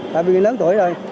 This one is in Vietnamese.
tại vì mình lớn tuổi rồi